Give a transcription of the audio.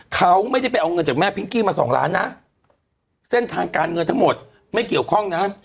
เขาไม่ได้ไปเอาเงินจากแม่พิงกี้มาสองล้านนะเส้นทางการเงินทั้งหมดไม่เกี่ยวข้องนะ